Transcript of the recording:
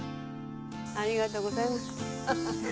ありがとうございますハハ。